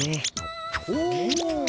お。